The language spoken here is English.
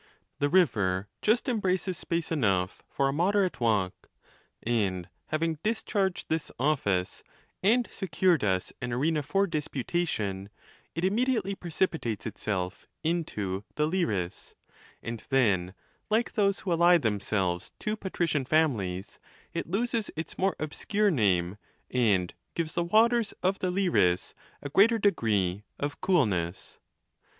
The river just embraces space enough for a moderate walk ; and having discharged this office, and secured us an arena for disputation, it immediately precipitates itself into the Liris; and then, like those who ally themselves to patri cian families, it loses it8 more obscure name, and gives the waters of the Liris a greater degree of coolness.